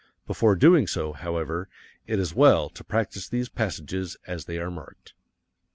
Before doing so, however, it is well to practise these passages as they are marked.